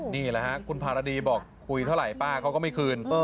นี่แหละฮะคุณภารดีบอกคุยเท่าไหร่ป้าเขาก็ไม่คืน